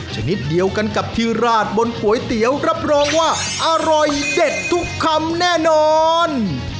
ชนิดเดียวกันกับที่ราดบนก๋วยเตี๋ยวรับรองว่าอร่อยเด็ดทุกคำแน่นอน